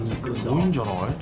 遠いんじゃない？